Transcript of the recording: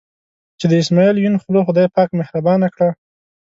چې د اسمعیل یون خوله خدای پاک مهربانه کړه.